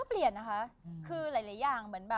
โอปรียนนะคะคือหลายหลายอย่าง